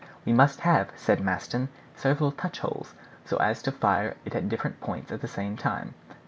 "We must have," said Maston, "several touch holes, so as to fire it at different points at the same time."